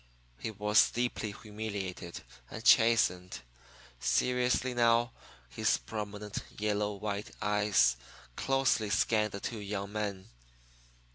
He was deeply humiliated and chastened. Seriously, now, his prominent, yellow white eyes closely scanned the two young men.